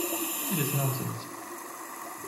It is nonsense.